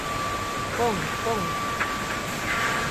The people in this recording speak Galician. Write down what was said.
Pon, pon!